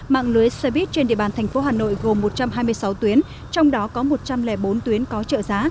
mạng lưới xe buýt trên địa bàn thành phố hà nội gồm một trăm hai mươi sáu tuyến trong đó có một trăm linh bốn tuyến có trợ giá